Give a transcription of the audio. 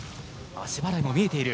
足払いも見えている。